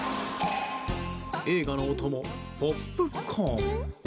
映画のお供、ポップコーン。